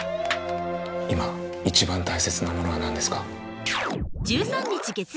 今一番大切なものは何ですか。